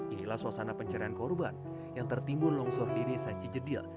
inilah suasana pencarian korban yang tertimbun longsor di desa cijedil